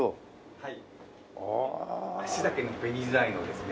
はい。